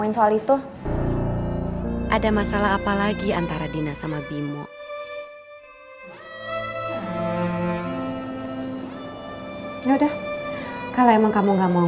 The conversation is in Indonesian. ini aku sebagai permohonan minta maaf aku kamu